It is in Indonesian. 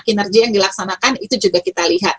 kinerja yang dilaksanakan itu juga kita lihat